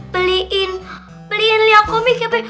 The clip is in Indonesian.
beliin liang komik ya be